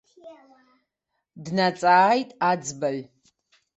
Днаҵааит аӡбаҩ.